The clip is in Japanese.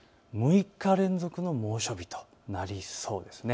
６日連続の猛暑日となりそうです。